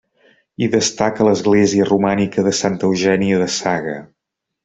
Hi destaca l'església romànica de Santa Eugènia de Saga.